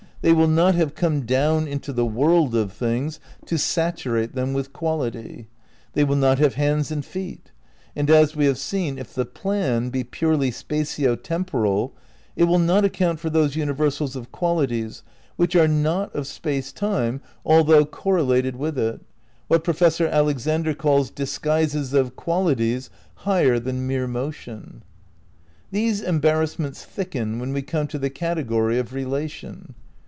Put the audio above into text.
They will not have come down into the world of things to saturate them with quality. They will not "have hands and feet." And, as we have seen, if the "plan" be purely spatio temporal it will not account for those universals of qualities which are not of Space Time although cor ^ Space, Time and Deity, Vol. I, p. 236. V THE CRITICAL PEEPARATIONS 183 related with it, what Professor Alexander calls "dis guises of qualities higher than mere motion." These embarrassments thicken when we come to the category of Relation.